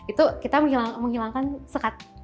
itu kita menghilangkan sekat